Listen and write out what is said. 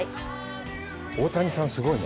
大谷さん、すごいね。